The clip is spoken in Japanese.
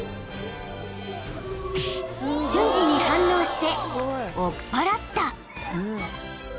［瞬時に反応して追っ払った］